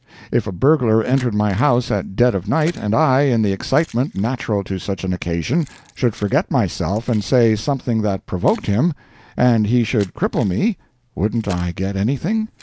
If a burglar entered my house at dead of night, and I, in the excitement natural to such an occasion, should forget myself and say something that provoked him, and he should cripple me, wouldn't I get anything?